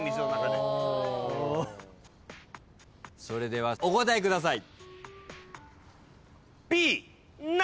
それではお答えください。